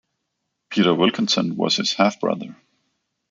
Peter Wilkinson was his half-brother.